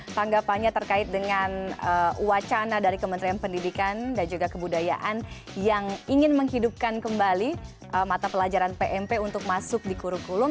tanggapannya terkait dengan wacana dari kementerian pendidikan dan juga kebudayaan yang ingin menghidupkan kembali mata pelajaran pmp untuk masuk di kurikulum